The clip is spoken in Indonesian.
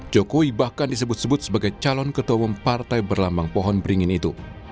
jokowi bahkan disebut sebut sebagai calon ketua umum partai berlambang pohon beringin itu